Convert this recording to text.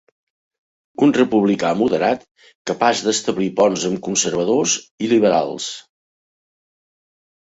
Un republicà moderat capaç d'establir ponts amb conservadors i liberals.